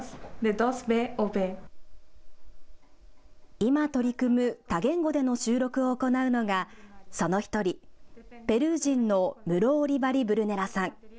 今取り組む多言語での収録を行うのがその１人、ペルー人のムロ・オリバリ・ブルネラさん。